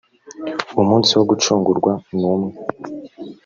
umunsi wo gucungurwa numwe.